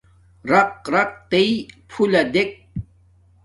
رَقرَقتݵئ پھُلݳ دݵک.